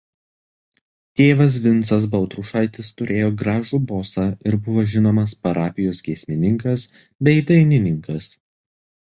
Tėvas Vincas Baltrušaitis turėjo gražų bosą ir buvo žinomas parapijos giesmininkas bei dainininkas.